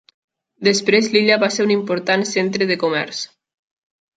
Després, l'illa va ser un important centre de comerç.